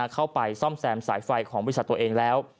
เข้าไปซ่อมแซมสายไฟของบริษัทตัวเองแล้ว